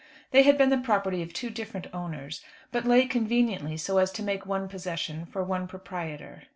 They had been the property of two different owners, but lay conveniently so as to make one possession for one proprietor.